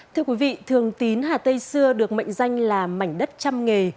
thưa quý vị thường tín hà tây xưa được mệnh danh là mảnh đất trăm nghề